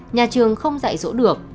nhà trường không dạy rỗ được